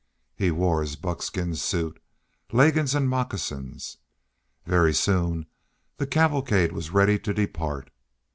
He wore his buckskin suit, leggings, and moccasins. Very soon the cavalcade was ready to depart.